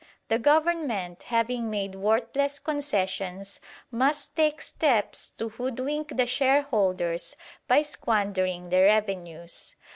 The Government, having made worthless concessions, must take steps to hoodwink the shareholders by squandering the revenues.